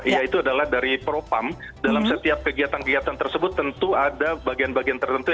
yaitu adalah dari propam dalam setiap kegiatan kegiatan tersebut tentu ada bagian bagian tertentu